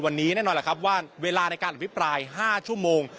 วันนี้แน่นอนแหละครับว่าเวลาในการอภิปราย๕ชั่วโมง